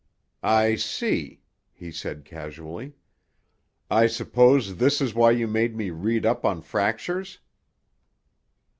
"I see," he said casually. "I suppose this is why you made me read up on fractures?"